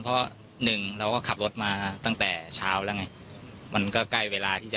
เพราะหนึ่งเราก็ขับรถมาตั้งแต่เช้าแล้วไงมันก็ใกล้เวลาที่จะ